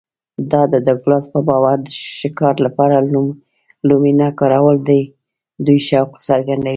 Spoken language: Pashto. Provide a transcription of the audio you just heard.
د ډاګلاس په باور د ښکار لپاره لومې نه کارول د دوی شوق څرګندوي